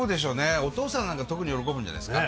お父さんなんか特に喜ぶんじゃないですか？